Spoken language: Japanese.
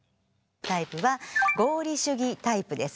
タイプは合理主義タイプです。